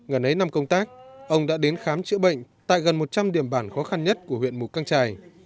gần ấy năm công tác ông đã đến khám chữa bệnh tại gần một trăm linh điểm bản khó khăn nhất của huyện mù căng trải